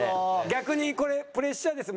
逆にこれプレッシャーです。